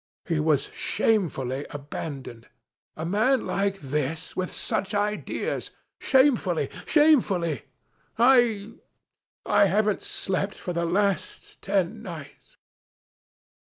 He was shamefully abandoned. A man like this, with such ideas. Shamefully! Shamefully! I I haven't slept for the last ten nights.